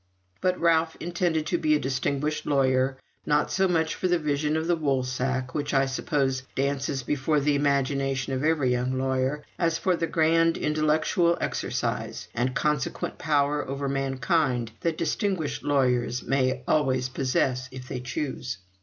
But Ralph intended to be a distinguished lawyer, not so much for the vision of the woolsack, which I suppose dances before the imagination of every young lawyer, as for the grand intellectual exercise, and consequent power over mankind, that distinguished lawyers may always possess if they choose.